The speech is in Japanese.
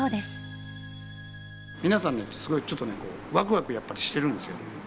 皆さんねすごいちょっとねこうワクワクやっぱりしてるんですよ。